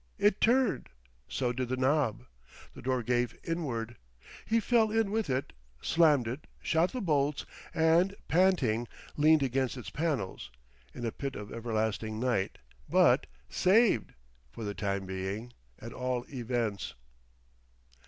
It turned. So did the knob. The door gave inward. He fell in with it, slammed it, shot the bolts, and, panting, leaned against its panels, in a pit of everlasting night but saved! for the time being, at all events.